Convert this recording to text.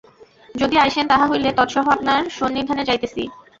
যদি আইসেন, তাহা হইলে তৎসহ আপনার সন্নিধানে যাইতেছি।